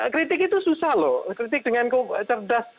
kritik itu susah loh kritik dengan cerdas